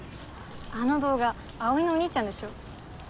あの動画葵のお兄ちゃんでしょ？